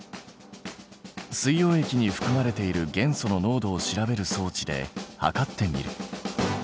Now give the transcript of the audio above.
水溶液にふくまれている元素の濃度を調べる装置で測ってみる。